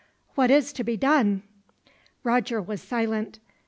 What is to be done?" Roger was silent.